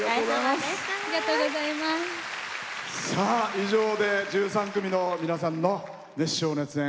以上で１３組の皆さんの熱唱・熱演